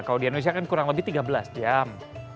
kalau di indonesia kan kurang lebih tiga belas jam